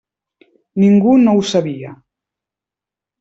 Ningú no ho sabia.